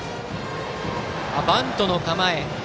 バントの構えです。